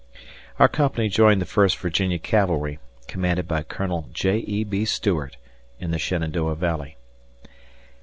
Our company joined the First Virginia Cavalry, commanded by Colonel J. E. B. Stuart, in the Shenandoah Valley.